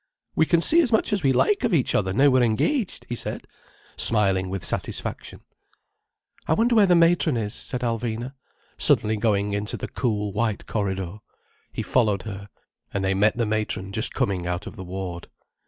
"We can see as much as we like of each other now we're engaged," he said, smiling with satisfaction. "I wonder where the matron is," said Alvina, suddenly going into the cool white corridor. He followed her. And they met the matron just coming out of the ward.